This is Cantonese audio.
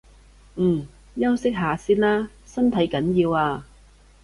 嗯，休息下先啦，身體緊要啊